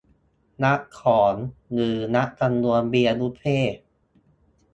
นับของ หรือนับจำนวนเบียร์บุฟเฟต์